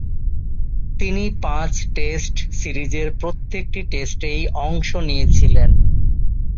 তিনি পাঁচ-টেস্ট সিরিজের প্রত্যেকটি টেস্টেই অংশ নিয়েছিলেন।